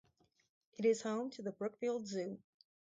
It is home to the Brookfield Zoo.